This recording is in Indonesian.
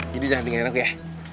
jadi jangan tinggalin aku ya